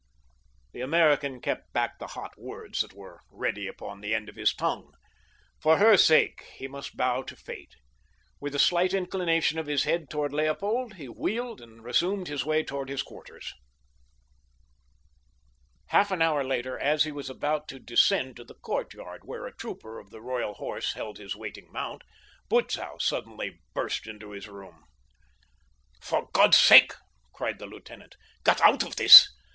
The American kept back the hot words that were ready upon the end of his tongue. For her sake he must bow to fate. With a slight inclination of his head toward Leopold he wheeled and resumed his way toward his quarters. Half an hour later as he was about to descend to the courtyard where a trooper of the Royal Horse held his waiting mount, Butzow burst suddenly into his room. "For God's sake," cried the lieutenant, "get out of this.